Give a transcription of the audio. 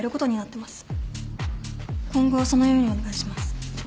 今後はそのようにお願いします。